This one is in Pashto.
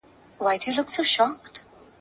چي په خوب به دي لیدله دغه ورځ دي وه ارمان !.